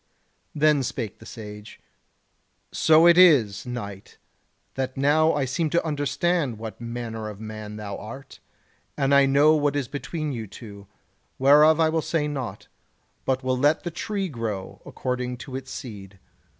Then spake the Sage: "So it is, Knight, that now I seem to understand what manner of man thou art, and I know what is between you two; whereof I will say naught, but will let the tree grow according to its seed.